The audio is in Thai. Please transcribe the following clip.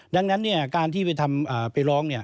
ดังนั้นการที่ไปร้อง